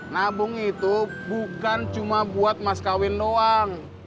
nabung itu bukan cuma buat mas kawin doang